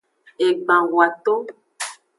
Egban hoaton.